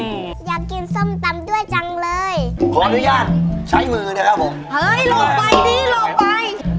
อยากกินส้มตำด้วยจังเลยขออนุญาตใช้มือนะครับผมเฮ้ยโหลกใบนี้โหลกไป